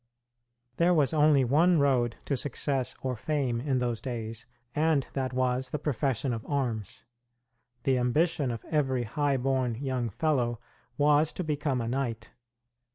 There was only one road to success or fame in those days, and that was the profession of arms. The ambition of every high born young fellow was to become a knight.